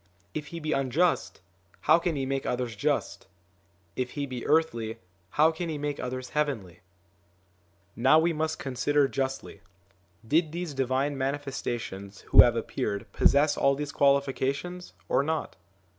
If he be unjust, how can he ON THE INFLUENCE OF THE PROPHETS 13 make others just ? If he be earthly, how can he make others heavenly ? Now we must consider justly: did these Divine Manifestations 1 who have appeared possess all these qualifications or not